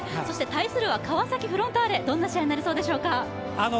対するは川崎フロンターレどんな試合になりそうですか？